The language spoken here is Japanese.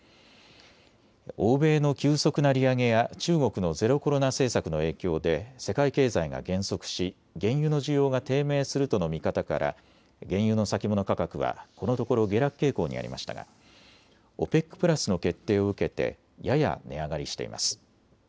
欧米の急速な利上げや中国のゼロコロナ政策の影響で世界経済が減速し原油の需要が低迷するとの見方から原油の先物価格はこのところ下落傾向にありましたがＯＰＥＣプラスの決定を受けてやや値上がりしています。